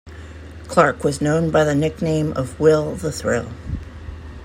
Clark was known by the nickname of Will the Thrill.